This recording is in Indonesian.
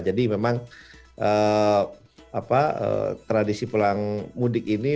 jadi memang tradisi pulang mudik ini